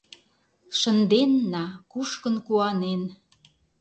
Шынденна – кушкын куанен.